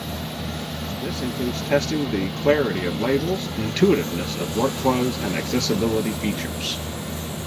This includes testing the clarity of labels, intuitiveness of workflows, and accessibility features.